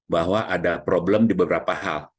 bahwa ada problem di beberapa hal